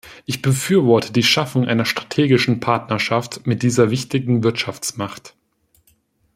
Ich befürworte die Schaffung einer strategischen Partnerschaft mit dieser wichtigen Wirtschaftsmacht.